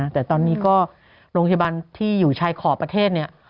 แต่ตอนนี้ก็โรงพยาบาลที่อยู่ชายขอบประเทศเนี่ย